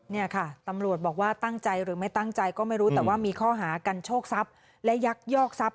เนี่ยค่ะตำรวจบอกว่าตั้งใจหรือไม่ตั้งใจก็ไม่รู้แต่ว่ามีข้อหากันโชคทรัพย์และยักยอกทรัพย